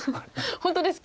本当ですか？